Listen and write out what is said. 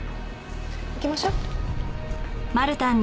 行きましょう。